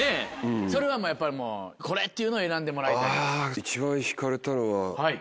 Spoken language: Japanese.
それはやっぱりもう「これ！」というのを選んでもらいたい。